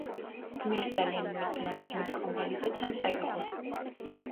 გმირს ძალიან მოეწონა რკინის კომბალი და თან წაიღო.